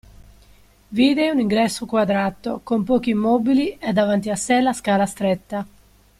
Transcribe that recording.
Vide un ingresso quadrato, con pochi mobili e davanti a sé la scala stretta.